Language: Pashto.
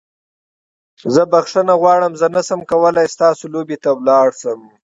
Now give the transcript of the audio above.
زه بخښنه غواړم چې زه نشم کولی ستاسو لوبې ته لاړ شم.